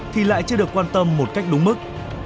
thì lại chưa được quan tâm một cách đúng mức